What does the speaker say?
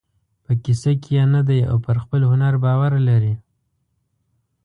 په کیسه کې یې نه دی او پر خپل هنر باور لري.